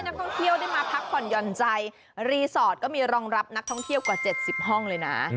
นักท่องเที่ยวได้มาพักผ่อนหย่อนใจรีสอร์ทก็มีรองรับนักท่องเที่ยวกว่า๗๐ห้องเลยนะ